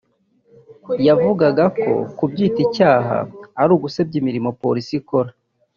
yavugaga ko kubyita icyaha ari ugusebya imirimo Polisi ikora